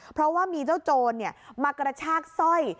เพราะว่ามีเจ้าโจรมากระชากสร้อย